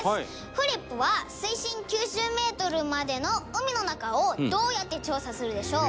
「フリップは水深９０メートルまでの海の中をどうやって調査するでしょう？」